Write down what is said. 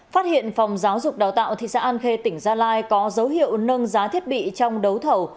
phát hiện phòng giáo dục đào tạo thị xã an khê tỉnh gia lai có dấu hiệu nâng giá thiết bị trong đấu thầu